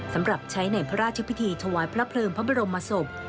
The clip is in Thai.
สำหรับใช้ในพระราชพิธีถวายพระเพลิงพระบรมศพ